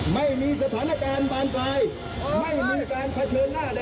ไม่มีสถานการณ์บานปลายไม่มีการเผชิญหน้าใด